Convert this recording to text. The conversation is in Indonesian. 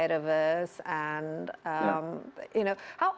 dan kamu tahu bagaimana